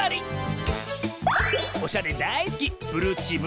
おしゃれだいすき